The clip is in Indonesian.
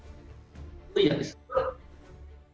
itu yang disuruh